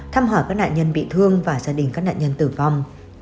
thăm hỏi các nạn nhân bị thương và gia đình các nạn nhân tử vong